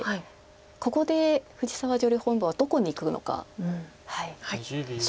ここで藤沢女流本因坊はどこにいくのか。